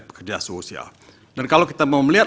pekerja sosial dan kalau kita mau melihat